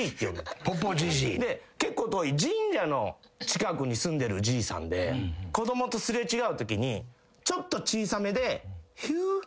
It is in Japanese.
結構遠い神社の近くに住んでるじいさんで子供と擦れ違うときに。